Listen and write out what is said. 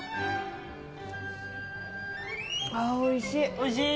おいしい？